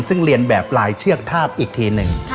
ซึ่งเรียนแบบลายเชือกทาบอีกทีหนึ่ง